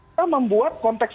kita membuat konteks